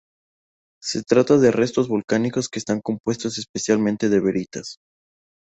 Se trata de restos volcánicos que están compuesto especialmente de veritas.